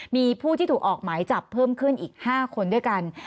มีผู้ที่ถูกออกหมายจับเพิ่มขึ้นอีก๕คนด้วยกัน